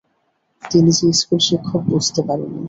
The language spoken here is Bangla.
তিনি যে স্কুল-শিক্ষক বুঝতে পারিনি।